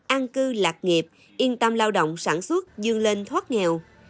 an cư lạc nghiệp yên tâm lao động sản xuất dương lên thoát nghèo